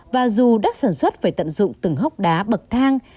và dù đất sản xuất phải tận dụng từng hốc đá bậc thang